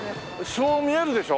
そう見えるでしょ？